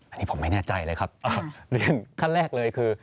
อันนี้ผมไม่แน่ใจเลยครับเรียนขั้นแรกเลยคือ